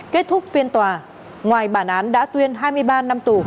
kết thúc phiên tòa ngoài bản án đã tuyên hai mươi ba năm tù